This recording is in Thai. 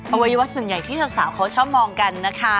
เอาไว้ว่าส่วนใหญ่ที่สาวเขาชอบมองกันนะคะ